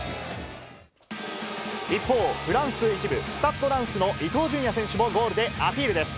一方、フランス１部・スタッドランスの伊東純也選手もゴールでアピールです。